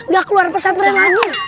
gak keluar pesantren lagi